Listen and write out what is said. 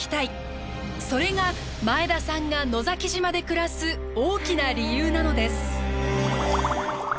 それが前田さんが野崎島で暮らす大きな理由なのです。